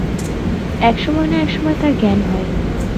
এক সময়-না-এক সময় তার জ্ঞান হয়।